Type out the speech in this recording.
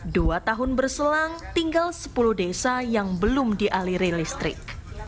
dua tahun berselang tinggal sepuluh desa yang belum dialiri listrik